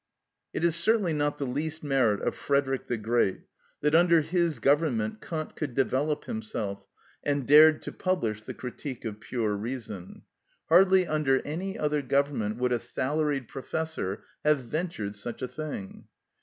It is certainly not the least merit of Frederick the Great, that under his Government Kant could develop himself, and dared to publish the "Critique of Pure Reason." Hardly under any other Government would a salaried professor have ventured such a thing.